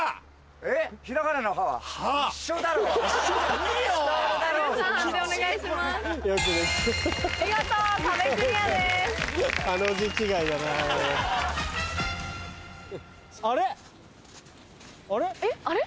えっ？あれ？